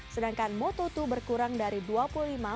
sedangkan moto dua berkurang dari dua puluh tujuh lap menjadi dua puluh lap